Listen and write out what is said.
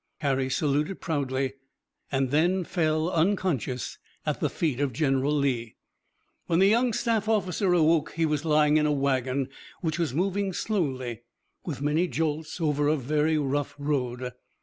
Harry saluted proudly, and then fell unconscious at the feet of General Lee. When the young staff officer awoke, he was lying in a wagon which was moving slowly, with many jolts over a very rough road.